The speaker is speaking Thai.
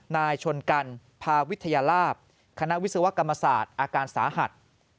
นายชนกันพาวิทยาลาภคณะวิศวกรรมศาสตร์อาการสาหัส